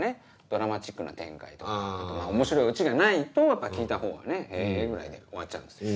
ドラマチックな展開とかあと面白いオチがないとやっぱり聞いたほうはね「へぇ」ぐらいで終わっちゃうんですよ。